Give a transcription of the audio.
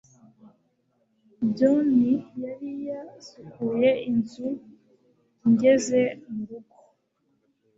John yari yasukuye inzu ngeze mu rugo